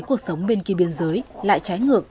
cuộc sống bên kia biên giới lại trái ngược